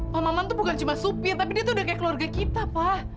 pak maman tuh bukan cuma supir tapi dia tuh udah kayak keluarga kita pak